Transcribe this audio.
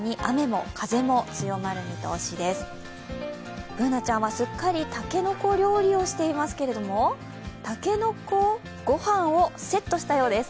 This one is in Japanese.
Ｂｏｏｎａちゃんは、しっかりたけのこ料理をしていますけど、たけのこご飯をセットしたようです。